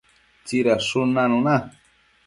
tsidadshun nanuna